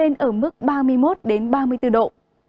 nhiệt độ cao nhất là ba mươi ba mươi ba độ